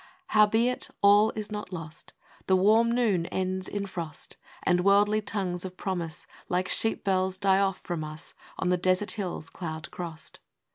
IX. Howbeit all is not lost: The warm noon ends in frost, And worldly tongues of promise, Like sheep bells, die off from us On the desert hills cloud crossed!